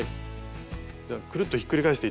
じゃあくるっとひっくり返して頂いて。